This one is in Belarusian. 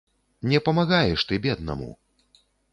Не памагаеш ты беднаму!